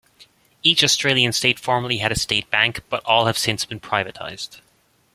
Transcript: Each Australian state formerly had a state bank, but all have since been privatised.